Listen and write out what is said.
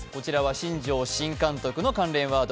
新庄新監督の関連ワード。